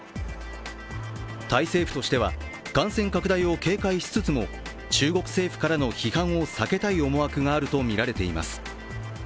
タイ政府としては感染拡大を警戒しつつも、中国政府からの批判を避けたい思惑があるものとみられています。